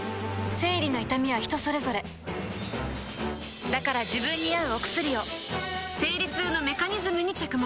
生理の痛みは人それぞれだから自分に合うお薬を生理痛のメカニズムに着目